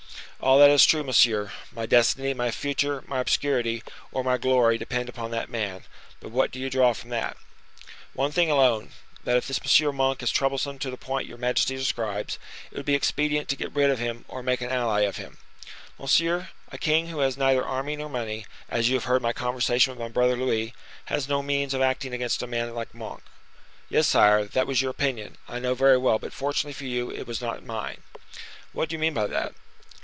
"All that is true, monsieur: my destiny, my future, my obscurity, or my glory depend upon that man; but what do you draw from that?" "One thing alone, that if this General Monk is troublesome to the point your majesty describes, it would be expedient to get rid of him or make an ally of him." "Monsieur, a king who has neither army nor money, as you have heard my conversation with my brother Louis, has no means of acting against a man like Monk." "Yes, sire, that was your opinion, I know very well: but, fortunately for you, it was not mine." "What do you mean by that?"